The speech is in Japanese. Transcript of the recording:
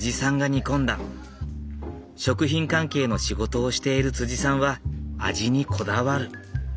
食品関係の仕事をしているさんは味にこだわる。